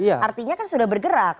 artinya kan sudah bergerak